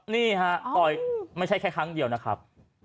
นี่ฮะต่อยไม่ใช่แค่ครั้งเดียวนะครับ